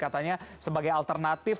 katanya sebagai alternatif